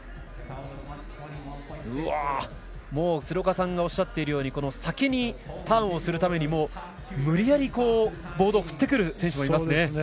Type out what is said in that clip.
鶴岡さんがおっしゃるように先にターンをするために無理やりボードを振ってくる選手もいますね。